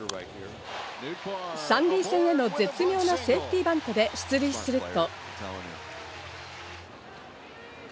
３塁線への絶妙なセーフティーバントで出塁すると。